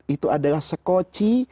itu adalah sekoci